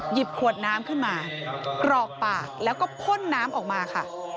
ขวดน้ำขึ้นมากรอกปากแล้วก็พ่นน้ำออกมาค่ะ